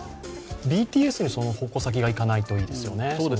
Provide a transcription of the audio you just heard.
ＢＴＳにその矛先がいかないといいですよね。